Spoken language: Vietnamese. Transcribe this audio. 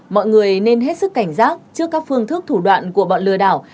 mọi người nên hết sức cảnh giác trước các phương thức thủ đoạn của bọn lừa đảo